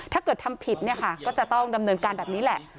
ถ้าเกิดทำผิดเนี่ยค่ะก็จะต้องดำเนินการแบบนี้แหละ